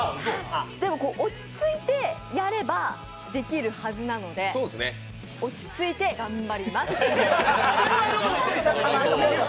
でも落ち着いてやればできるはずなので落ち着いて頑張ります。